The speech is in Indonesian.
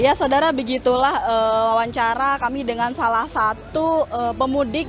ya saudara begitulah wawancara kami dengan salah satu pemudik